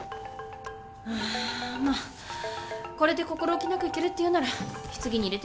んまあこれで心置きなくいけるっていうなら棺に入れて。